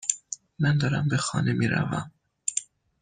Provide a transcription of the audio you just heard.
من دارم به خانه میروم.